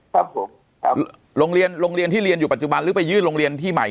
ครับผมครับโรงเรียนโรงเรียนที่เรียนอยู่ปัจจุบันหรือไปยื่นโรงเรียนที่ใหม่